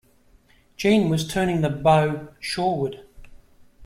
Jeanne was turning the bow shoreward.